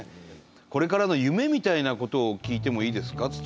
これからの夢みたいなことを聞いてもいいですか？